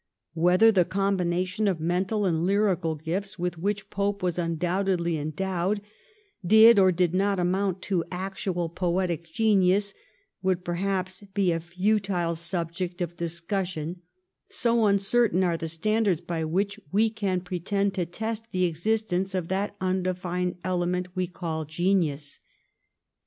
Whether the combination of mental and lyrical gifts, with which Pope was undoubtedly en dowed, did or did not amount to actual poetic genius would perhaps be a futile subject of discussion, so un certain are the standards by which we can pretend to test the existence of that undefined element we call genius.